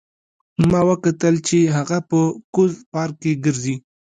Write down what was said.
ما وکتل چې هغه په کوز پارک کې ګرځي